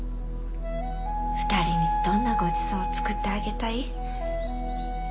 ２人にどんなごちそうを作ってあげたい？